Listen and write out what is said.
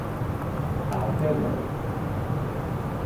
Ao pé dela.